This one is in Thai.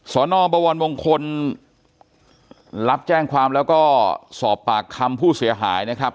นอบวรมงคลรับแจ้งความแล้วก็สอบปากคำผู้เสียหายนะครับ